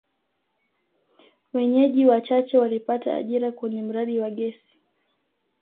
Wenyeji wachache walipata ajira kwenye mradi wa gesi.